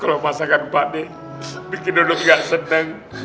kalau pasangkan padet bikin dadu nggak seneng